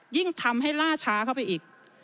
ยิ่งทำให้ล่าช้าเข้าไปอีก